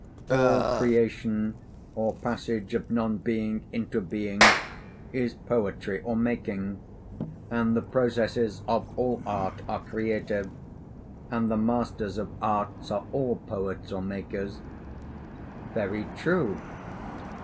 All creation or passage of non being into being is poetry or making, and the processes of all art are creative; and the masters of arts are all poets or makers.' 'Very true.'